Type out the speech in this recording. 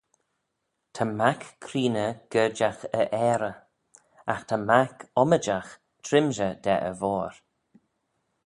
"Ta mac creeney gerjagh e ayrey; agh ta mac ommijagh trimshey da e voir."